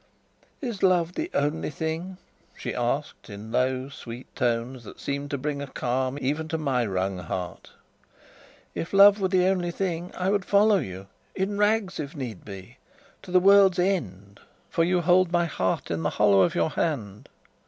"Is love the only thing?" she asked, in low, sweet tones that seemed to bring a calm even to my wrung heart. "If love were the only thing, I would follow you in rags, if need be to the world's end; for you hold my heart in the hollow of your hand!